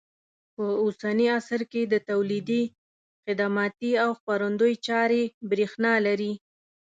په اوسني عصر کې د تولیدي، خدماتي او خپرندوی چارې برېښنا لري.